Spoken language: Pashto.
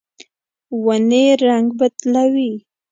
ونې رڼګ بدلوي